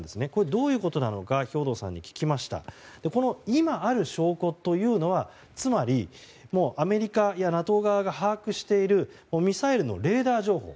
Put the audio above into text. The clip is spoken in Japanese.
どういうことか兵頭さんに聞くと今ある証拠というのはつまり、アメリカやＮＡＴＯ側が把握しているミサイルのレーダー情報。